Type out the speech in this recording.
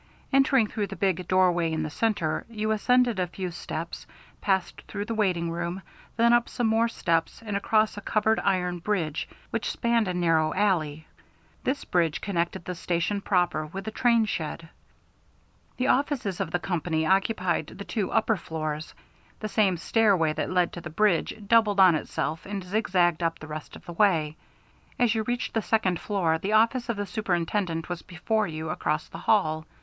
Entering through the big doorway in the centre, you ascended a few steps, passed through the waiting room, then up some more steps and across a covered iron bridge which spanned a narrow alley. This bridge connected the station proper with the train shed. The offices of the company occupied the two upper floors. The same stairway that led to the bridge doubled on itself and zigzagged up the rest of the way. As you reached the second floor, the office of the Superintendent was before you, across the hall.